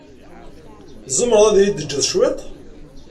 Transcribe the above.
Tzemreḍ ad iyi-d-jjeḍ cwiṭ?